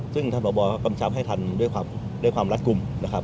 ซึ่งท่านบ่อปปอก็กำจับให้ทันด้วยความรัตกุมนะครับ